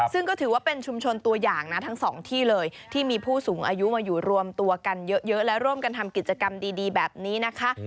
ซึ่งก็ถือว่าเป็นชุมชนตัวอย่างนะทั้งสองที่เลยที่มีผู้สูงอายุมาอยู่รวมตัวกันเยอะและร่วมกันทำกิจกรรมดีแบบนี้นะคะ